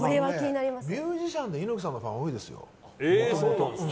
ミュージシャンで猪木さんのファンは多いですよ。